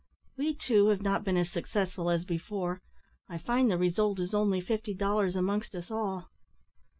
We, too, have not been as successful as before. I find the result is only fifty dollars amongst us all."